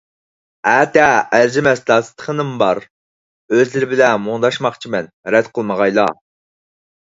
ئەتە ئەرزىمەس داستىخىنىم بار، ئۆزلىرى بىلەن مۇڭداشماقچىمەن، رەت قىلمىغايلا.